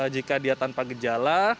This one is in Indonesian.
jika dia tanpa gejala